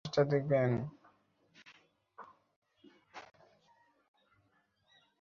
তপনদার পরিচিত সবাই কুড়িগ্রামে তার শোকার্ত পরিবারের পাশে থাকবেন, শেষ দেখাটা দেখবেন।